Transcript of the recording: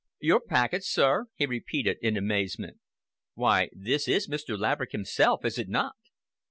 "Your packet, sir!" he repeated, in amazement. "Why, this is Mr. Laverick himself, is it not?"